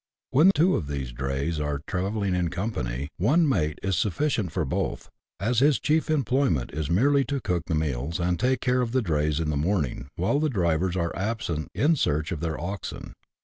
When two of these drays are tra velling in company, one " mate " is sufficient for both, as his chief employment is merely to cook the meals, and take care of the drays in the morning while the drivers are absent in search of their oxen.